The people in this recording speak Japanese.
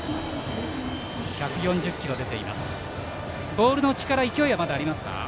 ボールの力勢いはまだありますか？